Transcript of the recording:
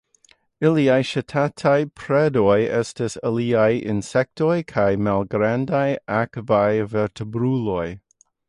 Iliaj ŝatataj predoj estas aliaj insektoj kaj malgrandaj akvaj vertebruloj.